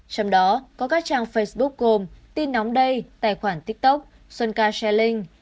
trong đó có các trang facebook gồm tin nóng đây tài khoản tiktok xuân ca sharing